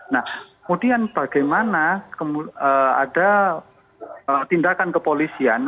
nah kemudian bagaimana ada tindakan kepolisian